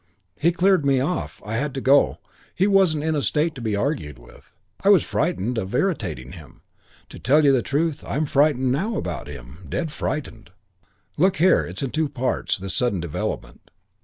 He cleared me off. I had to go. He wasn't in a state to be argued with. I was frightened of irritating him. To tell you the truth, I'm frightened now about him. Dead frightened. "Look here, it's in two parts, this sudden development.